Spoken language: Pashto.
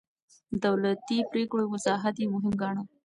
د دولتي پرېکړو وضاحت يې مهم ګاڼه.